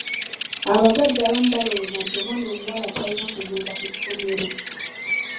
Abazadde abamu balowooza nti omwana omuwala talina kugenda ku ssomero.